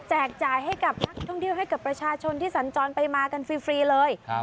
จ่ายให้กับนักท่องเที่ยวให้กับประชาชนที่สัญจรไปมากันฟรีเลย